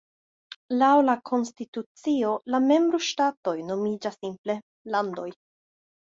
Laŭ la konstitucio la membro-ŝtatoj nomiĝas simple "landoj".